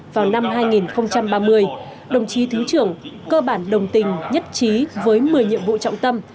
vào năm hai nghìn ba mươi đồng chí thứ trưởng cơ bản đồng tình nhất trí với một mươi nhiệm vụ trọng tâm